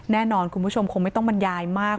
แน่นอนคุณผู้ชมคงไม่ต้องบรรยายมาก